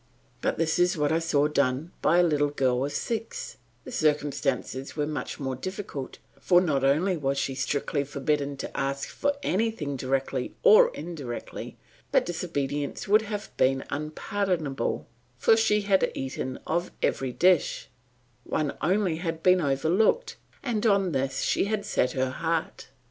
But this is what I saw done by a little girl of six; the circumstances were much more difficult, for not only was she strictly forbidden to ask for anything directly or indirectly, but disobedience would have been unpardonable, for she had eaten of every dish; one only had been overlooked, and on this she had set her heart.